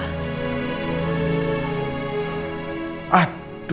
aduh lupa lagi mau kasih tau